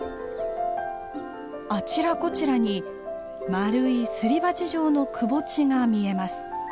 あちらこちらに丸いすり鉢状のくぼ地が見えます。